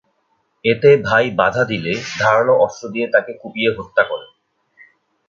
এতে ভাই বাধা দিলে ধারালো অস্ত্র দিয়ে তাঁকে কুপিয়ে হত্যা করেন।